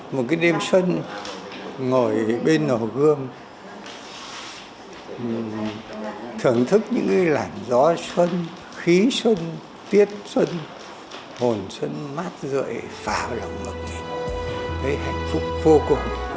một cái đêm xuân ngồi bên hồ gươm thưởng thức những cái lảnh gió xuân khí xuân tiết xuân hồn xuân mát rợi phá vào lòng mực mình thấy hạnh phúc vô cùng